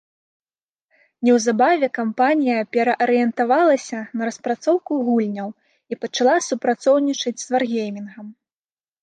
Неўзабаве кампанія пераарыентавалася на распрацоўку гульняў і пачала супрацоўнічаць з «Варгеймінгам».